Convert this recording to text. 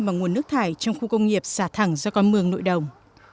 và nguồn nước thải trong khu công nghiệp xả thẳng do con mương nội đồng